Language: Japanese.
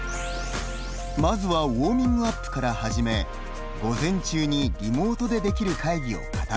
まずはウォーミングアップから始め午前中にリモートでできる会議を固めました。